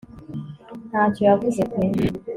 ntacyo yavuze pe